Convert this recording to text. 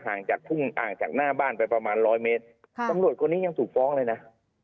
ห่างจากหน้าบ้านไปประมาณ๑๐๐เมตรตำรวจคนนี้ยังถูกฟ้องเลยนะ